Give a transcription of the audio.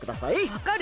わかる？